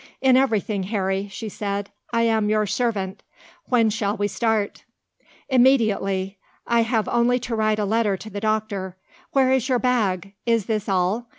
"In everything, Harry," she said, "I am your servant. When shall we start?" "Immediately. I have only to write a letter to the doctor. Where is your bag? Is this all?